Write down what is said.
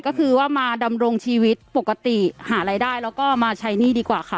ก็คือว่ามาดำรงชีวิตปกติหารายได้แล้วก็มาใช้หนี้ดีกว่าค่ะ